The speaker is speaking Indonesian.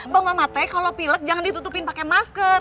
bang mamat teh kalo pilek jangan ditutupin pake masker